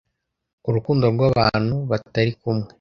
urukundo rw’abantu batari kumwe,